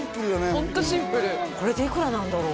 ホントシンプルこれでいくらなんだろう？